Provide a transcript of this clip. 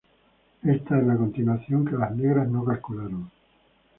Esta es la continuación que las negras no calcularon.